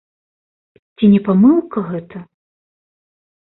Ці не памылка гэта?